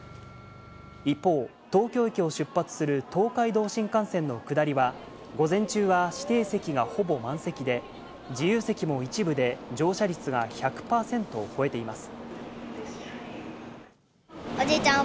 一方、東京駅を出発する東海道新幹線の下りは午前中は指定席がほぼ満席で、自由席も一部で乗車率が１００％を超えています。